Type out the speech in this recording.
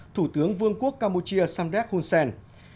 thủ tướng vương quốc campuchia samdet hunsen